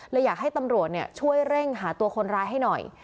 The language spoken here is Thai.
อยากให้ตำรวจช่วยเร่งหาตัวคนร้ายให้หน่อย